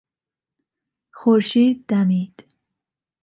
خورشید دمید.